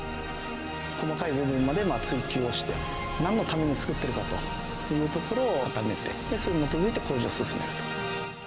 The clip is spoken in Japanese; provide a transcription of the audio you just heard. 細かい部分まで追求をして、なんのために造ってるのかというところを固めて、それに基づいて工事を進めると。